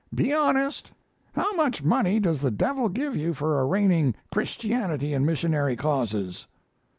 Be honest. How much money does the devil give you for arraigning Christianity and missionary causes?"